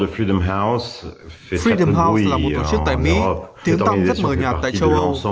freedom house là một tổ chức tại mỹ tiếng tông rất mờ nhạt tại châu âu